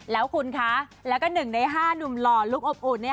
แล้วคุณคะแล้วก็๑ใน๕หนุ่มหล่อลุคอบอุ่น